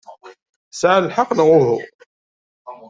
Sɛan lḥeqq, neɣ uhu?